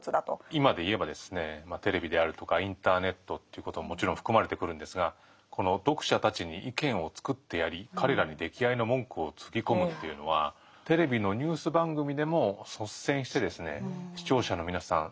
今でいえばテレビであるとかインターネットということももちろん含まれてくるんですがこの「読者たちに意見をつくってやり彼等に出来合いの文句をつぎこむ」というのはテレビのニュース番組でも率先して「視聴者の皆さん